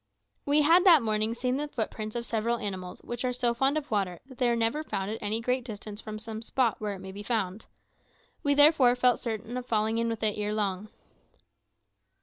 We had that morning seen the footprints of several animals which are so fond of water that they are never found at any great distance from some spot where it may be found. We therefore felt certain of falling in with it ere long.